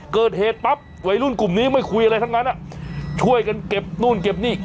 เกิดเหตุปั๊บวัยรุ่นกลุ่มนี้ไม่คุยอะไรทั้งนั้นช่วยกันเก็บนู่นเก็บนี่